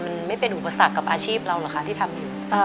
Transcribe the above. มันไม่เป็นอุปสรรคกับอาชีพเราเหรอคะที่ทำ